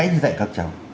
để dạy các cháu